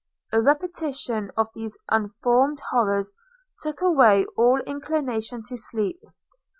A repetition of these unformed horrors took away all inclination to sleep.